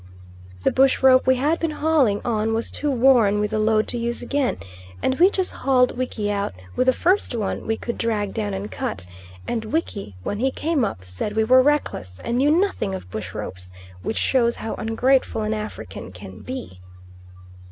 The bush rope we had been hauling on was too worn with the load to use again, and we just hauled Wiki out with the first one we could drag down and cut; and Wiki, when he came up, said we were reckless, and knew nothing of bush ropes, which shows how ungrateful an African can be.